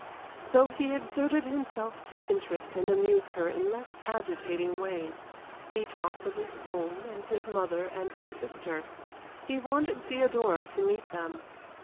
So he exerted himself to interest and amuse her in less agitating ways. He talked of his home and his mother and his sister. He wanted Theodora to meet them.